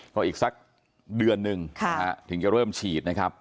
ก็อีกสักเดือนนึงถึงจะเริ่มฉีดนะครับ